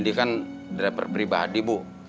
dia kan driver pribadi bu